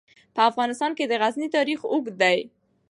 په افغانستان کې د غزني تاریخ اوږد دی.